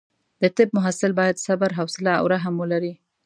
د طب محصل باید صبر، حوصله او رحم ولري.